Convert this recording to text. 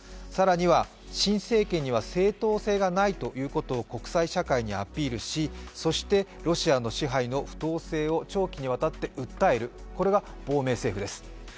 更には新政権には正統性がないということを国際社会にアピールし、ロシアの支配の不当性を長期にわたって訴える、これが亡命政府です。